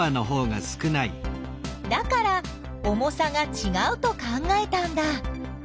だから重さがちがうと考えたんだ！